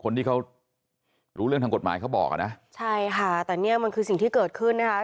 คนที่เขารู้เรื่องทางกฎหมายเขาบอกอ่ะนะใช่ค่ะแต่เนี้ยมันคือสิ่งที่เกิดขึ้นนะคะ